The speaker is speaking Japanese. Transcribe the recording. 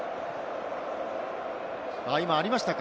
今ありましたか？